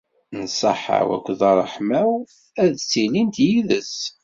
Nnṣaḥa-w akked ṛṛeḥma-w ad ttilint yid-s.